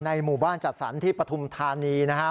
หมู่บ้านจัดสรรที่ปฐุมธานีนะครับ